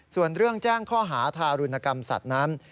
ส่วนเรื่องแจ้งข้อหาทารุณกรรมสัตว์นั้น